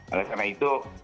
oleh karena itu